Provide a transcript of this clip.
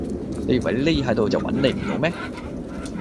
你以為你匿喺度就搵唔到你咩